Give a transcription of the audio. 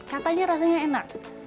katanya rasanya enak